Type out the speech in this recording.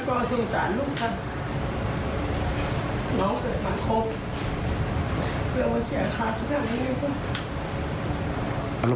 สวัสดีครับ